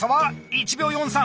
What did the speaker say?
１秒４３！